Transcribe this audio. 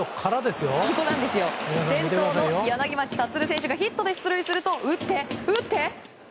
先頭の柳町達選手がヒットで出塁すると打って、打って。